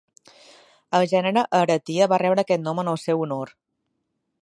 El gènere Ehretia va rebre aquest nom en el seu honor.